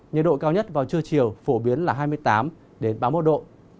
nhiệt độ cao nhất vào trưa chiều phổ biến là hai mươi tám ba mươi một độ